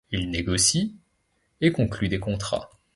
Il négocie et conclut des contrats.